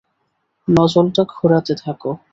নজলটা ঘোরাতে থাকো।